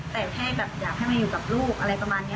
แต่แค่แบบอยากให้มาอยู่กับลูกอะไรประมาณนี้